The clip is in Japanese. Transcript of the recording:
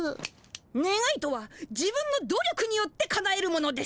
ねがいとは自分の努力によってかなえるものです。